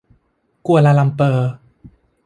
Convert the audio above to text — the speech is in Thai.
กัวลาลัมเปอร์